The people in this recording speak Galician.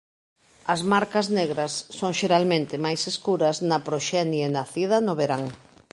As marcas negras son xeralmente máis escuras na proxenie nacida no verán.